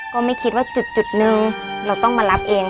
ก็ไม่คิดว่าจุดนึงเราต้องมารับเอง